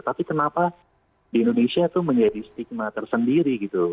tapi kenapa di indonesia itu menjadi stigma tersendiri gitu